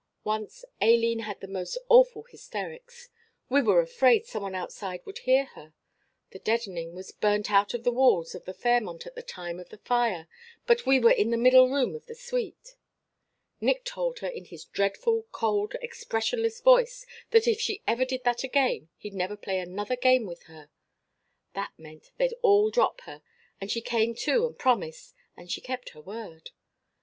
Once Aileen had the most awful hysterics. We were afraid some one outside would hear her; the deadening was burnt out of the walls of the Fairmont at the time of the fire. But we were in the middle room of the suite. "Nick told her in his dreadful cold expressionless voice that if she ever did that again he'd never play another game with her. That meant that they'd all drop her, and she came to and promised, and she kept her word.